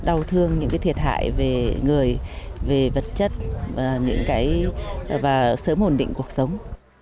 đau thương những cái thiệt hại về người về vật chất và sớm hồn định cuộc sống